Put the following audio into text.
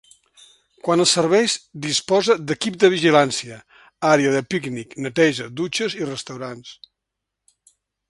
Quant als serveis disposa d'equip de vigilància, àrea de pícnic, neteja, dutxes i restaurants.